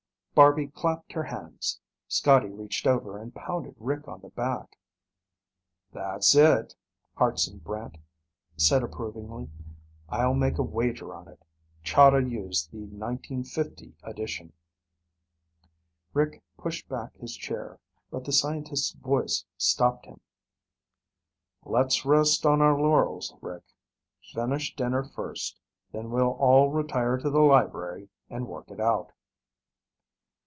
Barby clapped her hands. Scotty reached over and pounded Rick on the back. "That's it," Hartson Brant said approvingly. "I'll make a wager on it. Chahda used the 1950 edition." Rick pushed back his chair, but the scientist's voice stopped him. "Let's rest on our laurels, Rick. Finish dinner first, then we'll all retire to the library and work it out."